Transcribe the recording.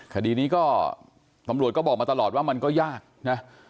คดีนี้ก็ตำรวจก็บอกมาตลอดว่ามันก็ยากนะ